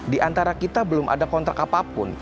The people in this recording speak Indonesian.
di antara kita belum ada kontrak apapun